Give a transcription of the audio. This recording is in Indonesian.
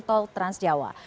tol trans jawa